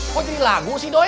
kok jadi lagu sih doanya